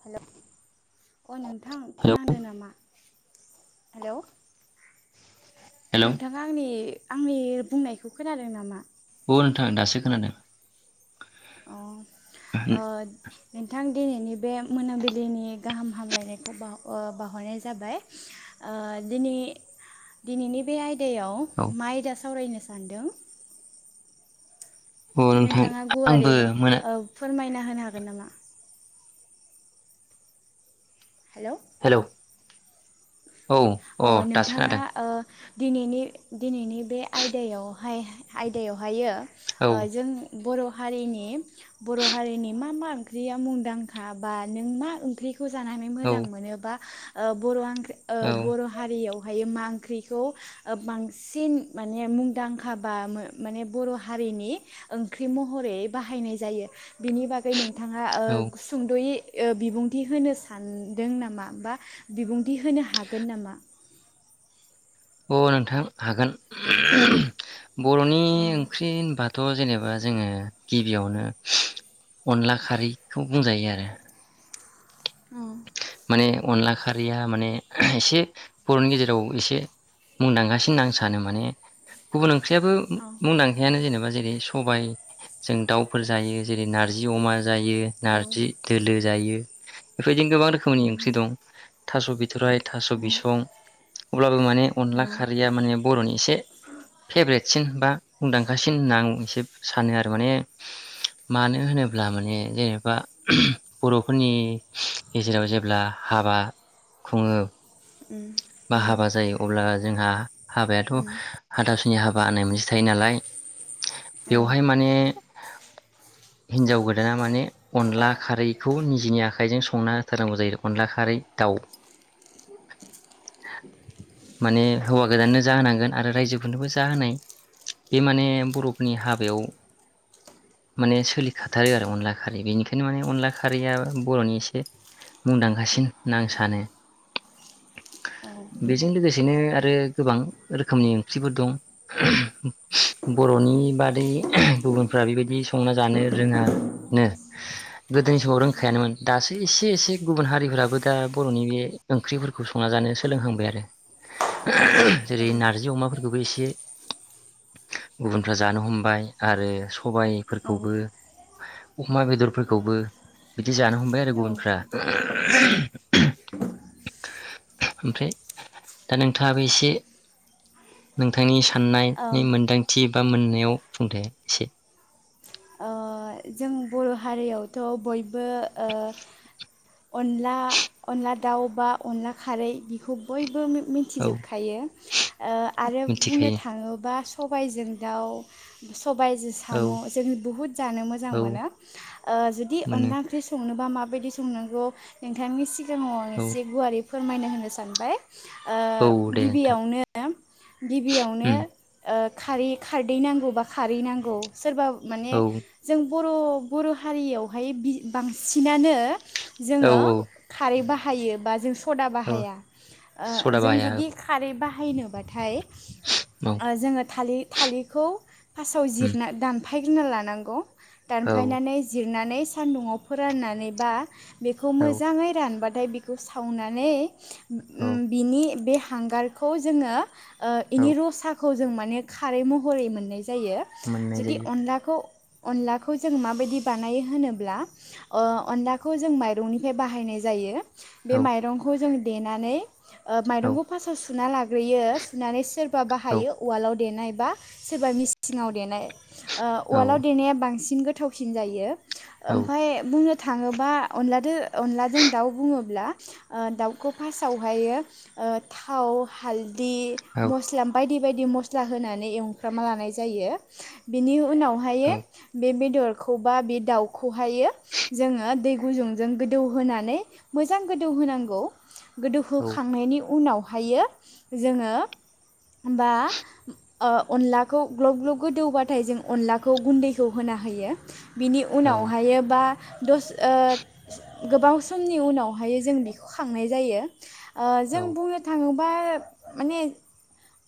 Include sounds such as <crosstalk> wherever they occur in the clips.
Hello अ नोंथां hello खोनादों नामा हेलौ हेलौ नोंथाङा आंनि आंनि बुंनायखौ खोनादों नामा अ नोंथां दासो खोनादों अ ओ नोंथां दिनैनि बे मोनाबिलिनि गाहाम हामलायनायखौ ओ बाउहरनाय जाबाय दि दिनैनि बे आ आयदायाव औ मा आदा सावरायनो सान्दों औ नोंथां नोंथाङा आंबो गुवारै मोना फोरमायना होनो हागोन नामा हेलौ औ अ दासो नोंथाङा खोनादों ओ दिनैनि दिनैनि बे आयदायावहाय आयदायावहायो औ ओ जों बर' हारिनि बर' हारिनि मा मा ओंख्रिया मुंदांखा बा नों मा ओंख्रिखौ खौ जानानै औ मोजां मोनोबा बर'आ ओ औ बर' हारियाव बेहाय मा ओंख्रिखौ बांसिन माने मुंदांखा बा माने बर' हारिनि ओंख्रि महरै बाहायनाय जायो बिनि बागै नोंथाङा औ सुंद'यै ओ बिबुंथि होनो सानदों नामा बा बिबुंथि होनो हागोन हागोन नामा अ नोंथां हागोन बर'नि औ ओंख्रि होनबाथ थ' जेनेबा जोङो गिबियावनो अनला खारैखौ बुंजायो आरो औ माने अनला खारिया माने एसे बर'नि गेजेराव एसे मुंदांखासिन होनना आं सानो माने गुबुन ओंख्रियाबो मुंदांखायानो जेनेबा जेरै सबाय जों दाउफोर जायो जेरै नारजि अमा जायो नारजि दोलो जायो। बिफोर बादिनो गोबां रोखोमनि ओंख्रि दं। थास' बि बिथराइ थास' बिसं अब्लाबो माने अनला खारैया माने बर'नि एसे फेब्रेटसिन बा मुंदांखासिन होनना आं एसे सानो आरो माने मानो होनोब्ला माने जेनेबा बर'फोरनि गेजेराव जे अब्ला हाबा खुङो बा हाबा जायो अब्ला जोंहा हाबायाथ' हाथासुनि हाबा होननाय मोनसे थायो नालाय बेवहाय माने हिनजाव गोदाना माने अनला खारैखौ नि जिनि आखाइजों संना होथारनांगौ जायो अनला खारै दाउ। <inaudible> माने हौवा गोदाननो जाहोनांगोन आरो रायजोफोरनोबो जाहोनाय बे माने बर'फोरनि हाबायाव माने सोलिखाथारो आरो अनला खारै बेनिखायनो माने अनला खारिया एसे बर'नि एसे मुंदांखासिन होनना आं सानो। बेजों लोगोसेनो आरो गोबां रोखोमनि ओंख्रिफोर दं बर'नि बादै गुबुनफ्रा बेबायदि संना जानो रोङा नो गोदोनि समाव रोंखायानोमोन दासो एसे एसे गुबुन हारिफोराबो दा बर'नि बे ओंख्रिफोरखौ। खौ संना जानाय सोलोंहांबाय आरो। जेरै नारजि अमाफोर। फोरबो एसे गुबुनफ्रा जानो हमबाय आरो सबायफोरखौबो अमा बेदरफोरखौबो बिदि जानो हमबाय आरो गुबुनफ्रा। ओमफ्राय दा नोंथाङाबो एसे नोंथांनि साननायनि मोन्दांथि बा मोननायाव बुंदे एसे। ओ जों बर' हारियावथ' बय बो ओ अनला अनला दाव दाउ बा अनला खारै बिखौ बयबो मि औ मिथिजोबखायो ओ आरो बुंनो मिथिखायो थाङोबा सबायजों दाउ सबायजो औ साम' जों बुहुत जानो मोजां औ मोनो ओ जुदि मोनो अनला ओंख्रि संनोबा माबा बायदि सांगौ नोंथांनि आव आं औ एसे गुवारै फोरमायनो होनो सानबाय औ ओ दे नोंथां गिबियावनो गिबियावनो उम ओ खारै खारदै नांगौ बा खारै नांगौ सोरबा औ माने जों बर' बर' हारियावहाय बांसिनानो औ जोङो औ खारै बाहायो थायो बा जों सदा औ बाहाया ओ सदा जों बाहाया जुदि खारै बाहा बाहायनोबाथाय औ जोङो थालिर थालिरखौ फासाव उम जिरना दाम फायग्रोना लानांगौ औ दानफायनानै जिरनानै सान्दुंआव फोराननानै बा बेखौ औ मोजाङै रानबा थाय बिखौ सावनानै औ उम बिनि बे हांगारखौ जोङो ओ औ इनि र' साख खौ जों माने खारै महरै मोननाय जायो मोननाय जुदि जायो अनलाखौ अनलाखौ जों माबायदि बानायो होनोब्ला ओ अनलाखौ जों माइरंनिफ्राय बाहायनाय जायो बे औ माइरंखौ जों देनानै ओ औ माइरंखौ फास्टआव सुना लाग्रोयो सुनानै सोरबा औ बाहायो उवालाव देनाय बा सोरबा मिसिङाव देनाय ओ औ उवालाव देनाया बां सिन गोथावसिन जायो औ ओमफाय बुंनो थाङोबा अनलादो अनलाजों दाउ बुङोब्ला ओ दाउखौ फार्स्टआवहायो ओ थाव हाल दि मसला बा यदि बायदि मस्ला होनानै एवफ्रामा लानाय जायो बिनि उनावहाय बे बे बेदरखौ बा बे दाउखौहायो जोङो दै गुदुंजों गोदौ होनोनानै मोजां गोदौ होनांगौ गोदोहोखांनायनि उनाव फायो जोङो होनबा ओ अनलाखौ ग्ल ग्लब गोदौबा नाथाय जों अनलाखौ गुन्दैखौ होना होयो बिनि औ उनावहायो बा दस ओ गोबां समनि उनावहाय जों बेखौ खांनाय जायो ओ जों औ बुंनो थाङो बा माने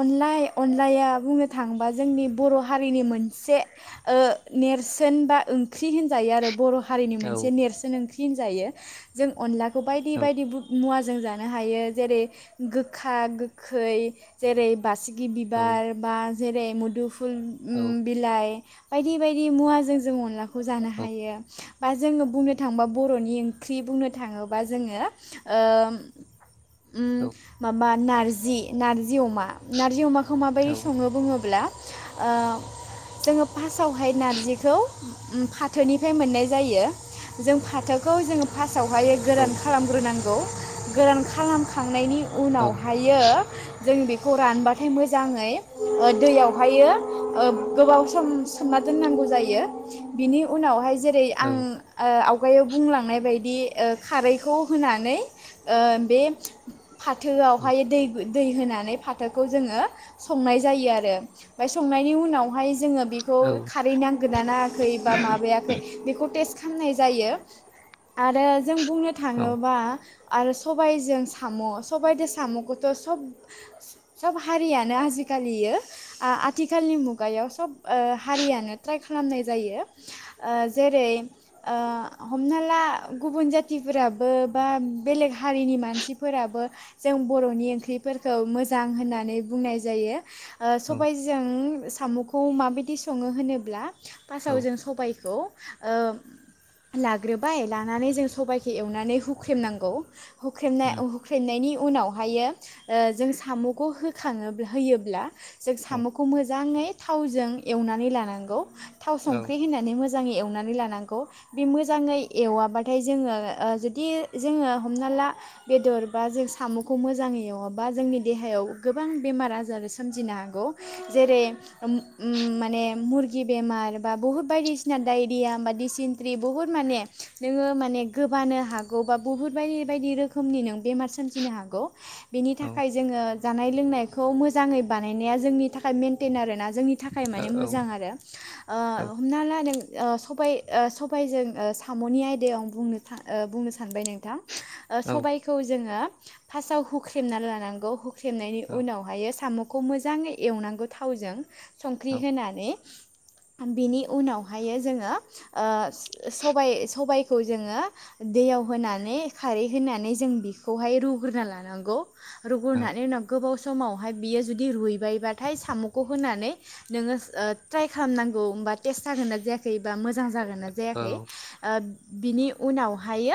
अनलाइ अनलाया बुंनो थाङोबा जोंनि बर' हारिनि मोनसे ओ नेरसोन बा ओंख्रि होनजायो आरो बर' हारिनि मोना मोनसे नेरसोन ओंख्रि होनजायो जों अनला बायदि मोना बायदि मुवा जों जानो हायो जेरै गोखा गोखै जेरै बासि गि औ बिबार बा जेरै मुदुफुल औ ओम बिलाइ बायदि बायदि मुवाजों जों अनला खौ जानो हायो बा जोङो बुंनो थाङोबा बर'नि ओंख्रि बुंनो थाङोबा जोङो ओ उम औ माबा नारजि नार जि अमा नारजि अमाखौ औ माबायदि औ सङो बुङोब्ला ओ जोङो फास्टावहाय नारजिखौ फाथोनिफ्राय मोननाय जायो जों फाथोखौ जोङो फास्ट आवहाय गोरान खालामग्रोनां खौ गोरान खालामखांनायनि उनावहायो जों बेखौ रानबाथाय मोजाङै दैयावहायो ओ गोबाव सम सोमना दोननांगौ जायो बिनि उनावहाय जेरै आं ओ आव खुगायाव बुंलांनाय बायदि ओ खारैखौ होनानै ओ बे फाथोआवहाय दैबो दै होनानै फाथोखौ जोङो संनाय जायो आरो ओमफाय संनायनि उनावहाय जोङो बेखौ औ खारै नांगोन ना नाङाखै बा माबायाखै बेखौ टेस खालामनाय जायो आरो जों बुंनो थाङोबा आरो सबायजों साम' सबायाइदो साम'खौथ' सब सब हारियानो आजिखालियो आथिखालनि मुगायाव सब ओ हारियानो ट्राइ खालामनाय जायो ओ जेरै ओ हमना ला गुबुन जाथिफोराबो बा बेलेग हारिनि मानसिफोराबो जों बर'नि ओंख्रिफोरखौ मोजां होननानै बुंनाय जायो। ओ सबायजों जों साम'खौ माबायदि सङो होनोब्ला फार्सआव जों सबायखौ ओ लाग्रोबाय लानानै जों सबायाइखौ एवनानै हुख्रेमनांगौ। हुख्रेमनाय हुख्रेमनायनि उनावहायो ओ जों साम'खौ होखाङो होयोब्ला जों साम' मोजाङै थावजों एवनानै लानांगौ। थाव संख्रि होननानै मोजां। मोजाङै एवनानै लानांगौ बे मोजाङै एवाबाथाय जोङो ओ जुदि जोङो हमना ला बेदर बा जों साम'खौ मोजाङै एवाबा जोंनि देहायाव गोबां बेमार आजार सोमजिनो हागौ। जा जेरै ओम माने मुरगि बेमार बा बुहुद बायदिसिना डायरिया बा दिडिसिनट्रि बुहुद माने नोङो माने गोबानो हागौ बा बुहुद बायदि बायदि रोखोमनि नों बेमार सोमजिनो हागौ बिनि थाखाय जोङो जानाय लोंनायखौ मोजाङै बानायनाया जोंनि थाखाय मेनटेन आरोना जोंनि थाखाय माने मोजां आरो ओ हमना ला नों ओ सबाय ओ सबायजों ओ साम'नि आयदायाव आंनो बुंनो ओ बुंनो सानबाय नोंथां ओ सबायखौ जोङो फार्स्टआव हुख्रेमना लानांगौ हु ख्रेबनायनि उनावहायो साम' खौ मोजाङै एवनांगौ थावजों। संख्रि होनानै बिनि उनावहाय जोङो सबाइ सबाइखौ जोङो दैयावज होनानै खारै होनानै जों बिखौहाय रुग्रोना लानांगौ। रुगुरनानै उनाव गोबाव स समावहाय बियो जुदि रुइबायबा हाथाय साम'खौ होनानै नोङो ओ ट्राइ खालामनांगौ होमबा टेस्ट जागोन ना जायाखै बा मोजां जागोन ना जायाखै ओ बिनि उनावहाय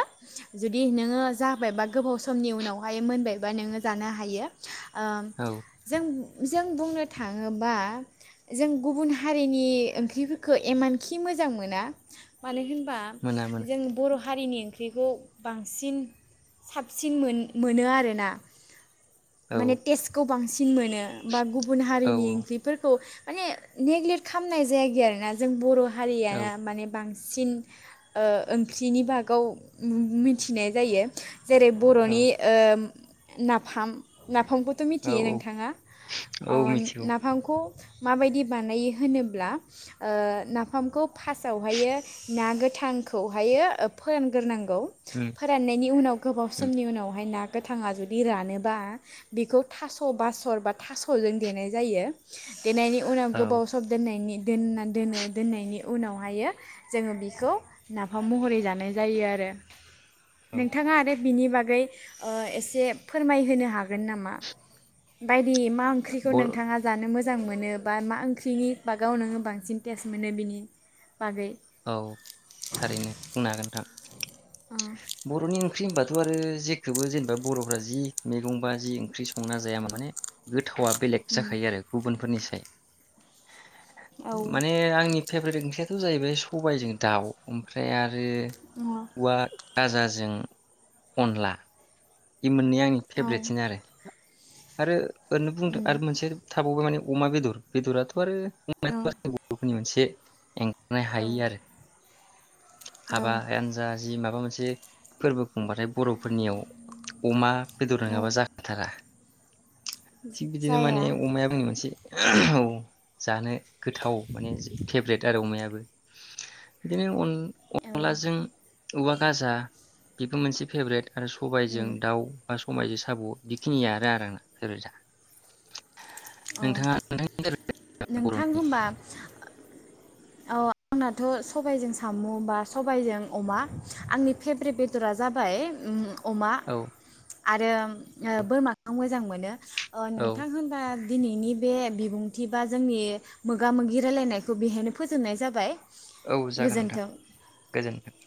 जुदि नोङो जाबायबा गोबाव समनि उनावहाय मोनबायबा नोङो जानो हायो। ओ जों जों जों बुंनो थाङोबा जों गुबुन हारिनि ओंख्रिफोरखौ इमानखि मोजां मोना मानो होन बा जों बर' हा खारिनि ओंख्रिखौ बांसिन साबसिन मोनो आरोना। माने तेजखौ बांसिन मोनो। बा गु गुबुन हारिनि ओंख्रिफोरखौ माने नेग्लेक्ट खालामनाय जायाखि आरोना जों बर' हारियान माने बांसिन सिन ओंख्रिनि बाहागाव मिथिनाय जायो। जेरै बर'नि ओ नाफाम ना खौथ' मिथियो नोंथाङा? औ अ मिथिगौ नाफामखौ मायदि बानाय होनोब्ला ओ नाफामखौ फार्स्टआवहायो ना गोथांखौहायो फोरानग्रोनां उम फोराननायनि उनाव गोबाव उम समनि उनावहाय ना गोथाङा जुदि रानोबा बेखौ थास' बासर बा थास'जों देनाय जायो। देनायनि उनाव औ गोबाव सम दोननायनि दोनना दोनो दोननायनि उनावहाय जोङो बेखौ नाफाम महरै जानाय जायो आरो। औ नोंथाङा आरो बिनि बागै ओ एसे फोरमायहोनो हागोन नामा? बाय <unintelligible> मा ओंख्रिखौ बर' नोंथाङा जानो मोजां मोजां मोनो बा मा ओंख्रिनि बागाव नोङो बांसिन टेस्ट मोनो बिनि बागै औ थारैनो बुंनो हागोन नोंथां अ बर'नि ओं ओंख्रि होनबाथ' आरो जेखौबो जेनेबा बर'फ्रा जि मैगं बा जि ओंख्रि संना जायामोन माने गो थावा बेलेग उम जाखायो आरो गुबुनफोरनि औ <unintelligible> माने आंनि फेभरेट ओंख्रिया बे जाहैबाय खबाय जों दाउ ओमफ्राय आरो रो अ उवा फाजाजों अनला इ मोननै आंनि औ फेभ्रेटसिन आरो आरो ओरैनो बुंदों उम आरो मोनसे थाबावबाय माने अमा बेदर बेदराथ' आरो अ <unintelligible> <unintelligible> औ हायो आरो औ हाबा एन्जाज जि माबा मोनसे फोरबो खुंबाथाय बर'फोरनियाव अमा बेदर औ नङाबा जाखाथारा थिग बिदिनो माने जाया अमाया बुङो मोनसे औ जानो गोथाव माने थेब्लेट आरो अमायाबो दिनैनि उन औ अनलाजों औवा गाजा बेबो मोनसे फेभरेट आरो उम सबायजों दाउ बा समआइजों साब' बेखिनियानो आरो आंना अ नोंथाङा नोंथांनि फेभरेटआ नोंथां बर'नि होनबा अ आंनाथ' सबायजों साम' बा सबायजों अमा आंनि फेभ्रेट बेदरा जाबाय अमा औ आरो उम बोरमाखौ मोजां मोनो अ औ नोंथां होनबा दिनैनि बे बिबुंथि बा जोंनि मोगा मोगि रायलायनायखौ बेहायनो। फोजोबनाय जाबाय औ जागोन नोंथां गोजोन्थों गोजोन्थों